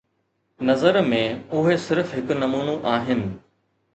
نظر ۾، اهي صرف هڪ نمونو آهن